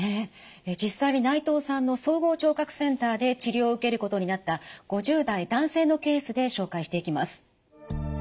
実際に内藤さんの総合聴覚センターで治療を受けることになった５０代男性のケースで紹介していきます。